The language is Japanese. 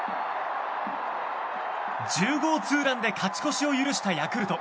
１０号ツーランで勝ち越しを許したヤクルト。